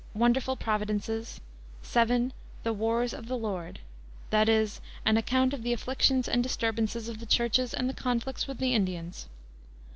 Wonderful Providences; VII. The Wars of the Lord, that is, an account of the Afflictions and Disturbances of the Churches and the Conflicts with the Indians.